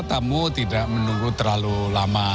tamu tidak menunggu terlalu lama